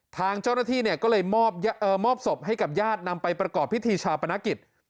ทางเจ้าหน้าที่ก็เลยมอบศพให้กับญาตินำไปประกอบพิธีชาปนกิจ